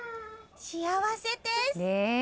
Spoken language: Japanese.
幸せです。